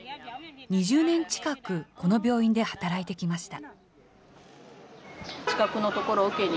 ２０年近く、この病院で働いてきました。